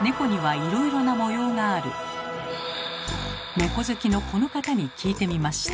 猫好きのこの方に聞いてみました。